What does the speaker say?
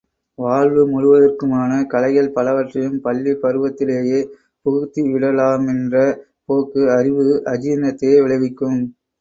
வாழ்வு முழுவதற்குமான கலைகள் பலவற்றையும் பள்ளிப் பருவத்திலேயே புகுத்தி விடாலாமென்ற போக்கு அறிவு அஜீரணத்தையே விளைவிக்கும்.